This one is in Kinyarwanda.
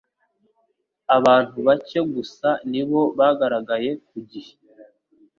Abantu bake gusa ni bo bagaragaye ku gihe.